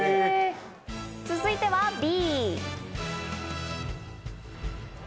続いてはＢ。